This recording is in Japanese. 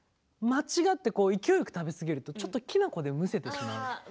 間違って勢いよく食べ過ぎるとちょっと、きな粉でむせてしまう。